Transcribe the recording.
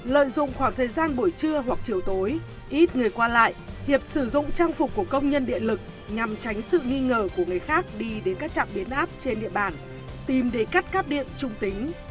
lợi dụng khoảng thời gian buổi trưa hoặc chiều tối ít người qua lại hiệp sử dụng trang phục của công nhân điện lực nhằm tránh sự nghi ngờ của người khác đi đến các trạm biến áp trên địa bàn tìm để cắt cáp điện trung tính